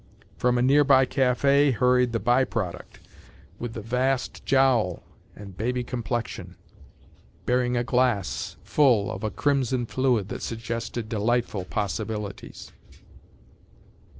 From a nearby café hurried the by product with the vast jowl and baby complexion, bearing a glass full of a crimson fluid that suggested delightful possibilities.